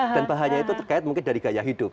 dan bahayanya itu terkait mungkin dari gaya hidup